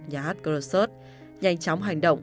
nhà hát crosso city nhanh chóng hành động